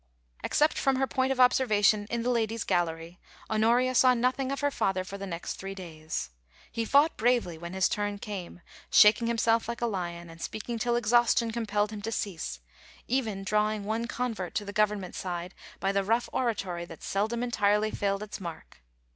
Except from her point of observation in the Ladies' Gallery, Honoria saw nothing of her father for the next three days. He fought bravely when his turn came, shaking himself like a lion, and speaking till exhaustion compelled him to cease, even drawing one convert to the Government side by the rough oratory that seldom entirely failed its mark.